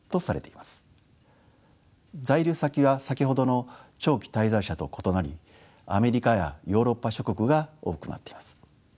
在留先は先ほどの長期滞在者と異なりアメリカやヨーロッパ諸国が多くなっています。